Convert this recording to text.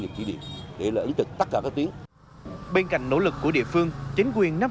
nghiệp chỉ điệp để là ứng chật tất cả các tuyến bên cạnh nỗ lực của địa phương chính quyền nam